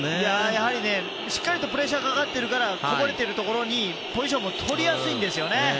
やはり、しっかりとプレッシャーがかかってるからこぼれているところにポジションも取りやすいんですよね。